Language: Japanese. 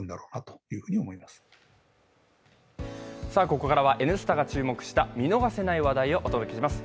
ここからは「Ｎスタ」が注目した見逃せない話題をお届けします。